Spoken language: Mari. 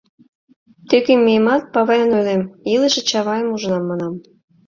Тӧкем миемат, павайлан ойлем: илыше Чавайым ужынам, манам.